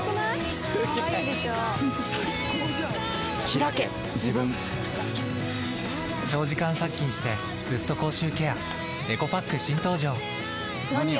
ひらけ自分長時間殺菌してずっと口臭ケアエコパック新登場！